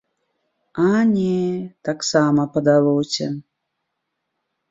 А не, таксама падалося.